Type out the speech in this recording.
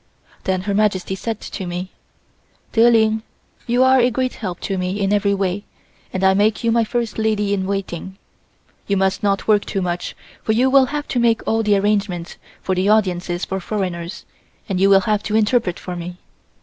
Then Her Majesty said to me: "Der Ling you are a great help to me in every way and I make you my first lady in waiting. You must not work too much for you will have to make all the arrangements for the audiences for foreigners and you will have to interpret for me.